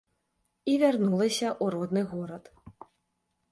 І вярнулася ў родны горад.